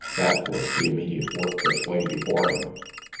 That was the immediate work which lay before him.